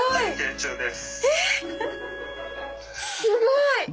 すごい！え！